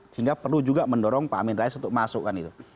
sehingga perlu juga mendorong pak amin rais untuk masukkan gitu